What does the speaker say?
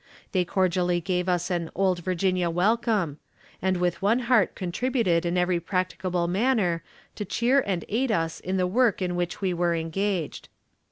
They cordially gave as an "Old Virginia welcome," and with one heart contributed in every practicable manner to cheer and aid us in the work in which we were engaged.